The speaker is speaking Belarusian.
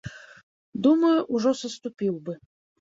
Думаю, ужо саступіў бы.